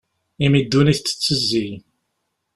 Imi ddunit tettezzi.